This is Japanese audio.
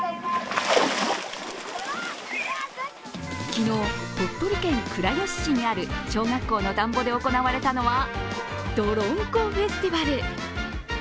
昨日、鳥取県倉吉市にある小学校の田んぼで行われたのはどろんこフェスティバル。